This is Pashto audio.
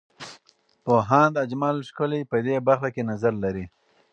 پوهاند اجمل ښکلی په دې برخه کې نظر لري.